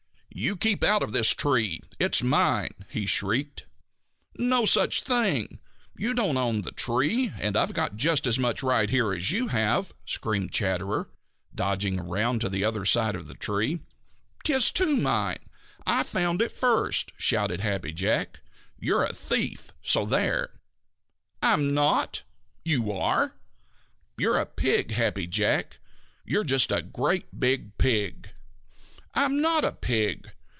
"You keep out of this tree; it's mine!" he shrieked. "No such thing! You don't own the tree and I've got just as much right here as you have!" screamed Chatterer, dodging around to the other side of the tree. "'Tis, too, mine! I found it first!" shouted Happy Jack. "You're a thief, so there!" "I'm not!" "You are!" "You're a pig, Happy Jack! You're just a great big pig!" "I'm not a pig!